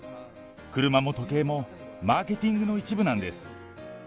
車も時計も、マーケティングの一部なんです。